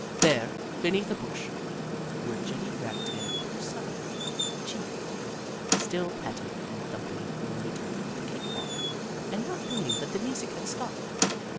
There, beneath a bush, were Jenny Ragtail and her son, Chee Wee, still patting and thumping in the metre of the cake walk and not knowing that the music had stopped.